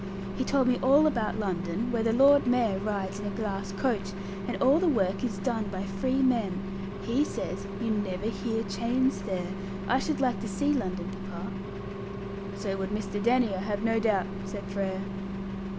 He told me all about London, where the Lord Mayor rides in a glass coach, and all the work is done by free men. He says you never hear chains there. I should like to see London, papa!" "So would Mr. Danny, I have no doubt," said Frere.